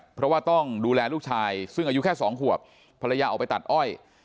เพราะว่าต้องดูแลลูกชายซึ่งอายุแค่๒ขวบภรรยาออกไปตัดอ้อย